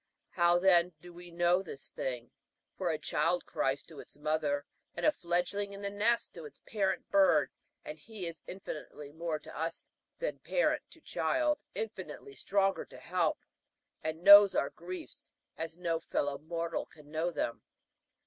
How, then, do we know this thing? For a child cries to its mother, and a fledgling in the nest to its parent bird; and he is infinitely more to us than parent to child infinitely stronger to help, and knows our griefs as no fellow mortal can know them.